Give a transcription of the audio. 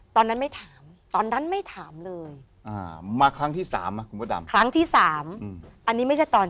ตอนนั้นไม่ถามตอนนั้นไม่ถามเลยมาครั้งที่๓นะคุณพระดำครั้งที่๓อันนี้ไม่ใช่ตอน